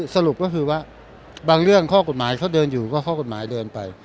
สรุปก็คือว่าบางเรื่องข้อกฎหมายเขาเดินอยู่ก็ข้อกฎหมายเดินไป